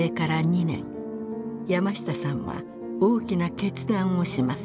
山下さんは大きな決断をします。